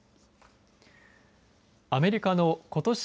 アメリカのことし